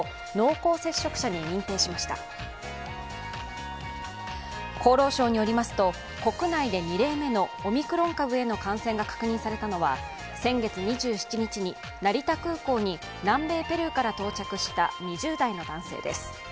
厚労省によりますと、国内で２例目のオミクロン株への感染が確認されたのは先月２７日に成田空港に南米ペルーから到着した２０代の男性です。